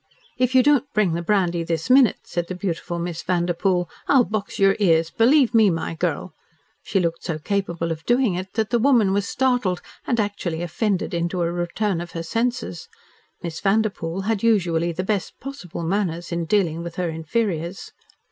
"If you don't bring the brandy this minute," said the beautiful Miss Vanderpoel, "I'll box your ears. Believe me, my girl." She looked so capable of doing it that the woman was startled and actually offended into a return of her senses. Miss Vanderpoel had usually the best possible manners in dealing with her inferiors.